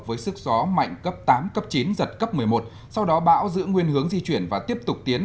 với sức gió mạnh cấp tám cấp chín giật cấp một mươi một sau đó bão giữ nguyên hướng di chuyển và tiếp tục tiến